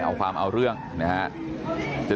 สวัสดีครับคุณผู้ชาย